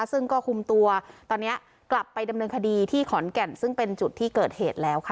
ซึ่งก็คุมตัวตอนนี้กลับไปดำเนินคดีที่ขอนแก่นซึ่งเป็นจุดที่เกิดเหตุแล้วค่ะ